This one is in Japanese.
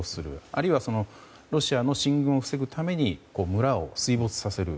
あるいはロシアの進軍を防ぐために村を水没させる。